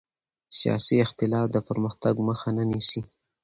سیاسي اختلاف د پرمختګ مخه نه نیسي